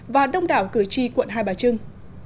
và đông đảo cử tri quận hai bà trưng